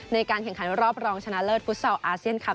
ในการแข่งขันรอบรองชนะเลิศฟุตซอลอาเซียนครับ